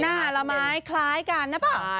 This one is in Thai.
หน้าละไหมคล้ายกันนะเปล่า